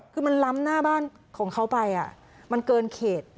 คือมันล้ำหน้าบ้านของเขาไปมันเกินเขต